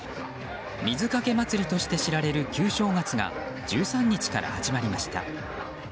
水かけ祭りとして知られる旧正月が１３日から始まりました。